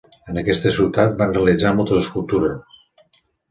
En aquesta ciutat va realitzar moltes escultures.